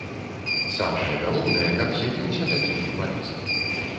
Самае галоўнае, каб з'явіўся такі футбаліст.